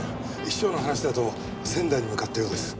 秘書の話だと仙台に向かったようです。